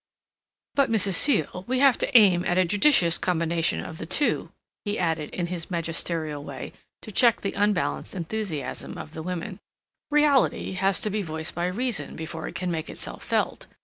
"But, Mrs. Seal, we have to aim at a judicious combination of the two," he added in his magisterial way to check the unbalanced enthusiasm of the women. "Reality has to be voiced by reason before it can make itself felt.